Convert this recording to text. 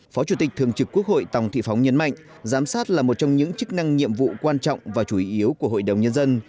phó chủ tịch thường trực quốc hội tòng thị phóng nhấn mạnh giám sát là một trong những chức năng nhiệm vụ quan trọng và chủ yếu của hội đồng nhân dân